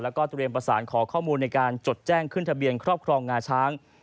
แล้วก็เตรียมประสานขอข้อมูลในการจดแจ้งขึ้นทะเบียนครอบครองงาช้าง